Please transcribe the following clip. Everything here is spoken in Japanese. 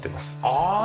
ああ！